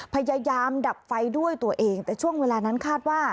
พยายามดับไฟด้วยตัวเองแต่ช่วงเวลานั้นคาดว่า